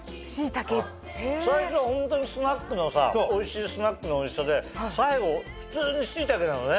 最初ホントにおいしいスナックのおいしさで最後普通にしいたけなのね。